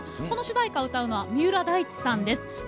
この主題歌を歌うのは三浦大知さんです。